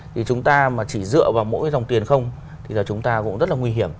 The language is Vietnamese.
thì chúng ta mà chỉ dựa vào mỗi cái dòng tiền không thì là chúng ta cũng rất là nguy hiểm